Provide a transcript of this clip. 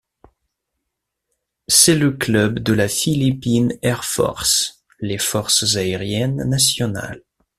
C'est le club de la Philippine Air Force, les forces aériennes nationales.